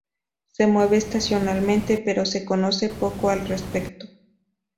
Se mueven estacionalmente pero se conoce poco al respecto.